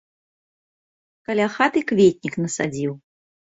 Каля хаты кветнік насадзіў.